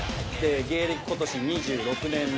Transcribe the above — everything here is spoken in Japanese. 芸歴今年２６年目。